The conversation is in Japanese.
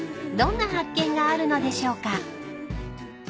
［どんな発見があるのでしょうか］